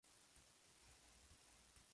Estudió en el Conservatorio de Sevilla.